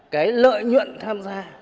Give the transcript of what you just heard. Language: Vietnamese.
cái lợi nhuận tham gia